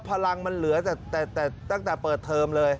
พลังมันเหลือแต่ตั้งแต่เปิดเทอมเลย